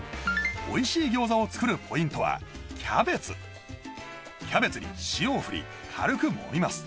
おいしい餃子を作るポイントはキャベツキャベツに塩を振り軽くもみます